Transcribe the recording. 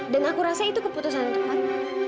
dan aku rasa itu keputusan untuk kamu